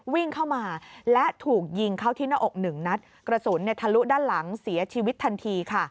วิ่งเข้ามาและถูกยิงเข้าที่หน้าอกหนึ่งนัดกระสุนทะลุด้านหลังเสียชีวิตทันทีค่ะ